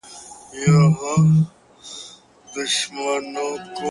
اوس پوره مات يم نور د ژوند له جزيرې وځم”